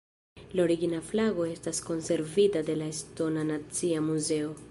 La origina flago estas konservita en la estona nacia muzeo.